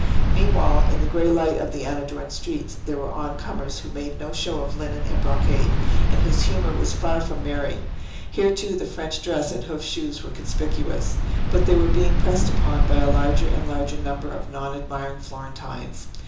Meanwhile in the grey light of the unadorned streets there were on comers who made no show of linen and brocade, and whose humour was far from merry. Here, too, the French dress and hoofed shoes were conspicuous, but they were being pressed upon by a larger and larger number of non admiring Florentines.